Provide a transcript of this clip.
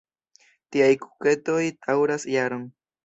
Tiaj kuketoj daŭras jaron.